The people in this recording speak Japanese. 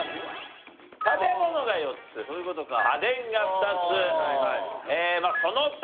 食べ物が４つ家電が２つその他。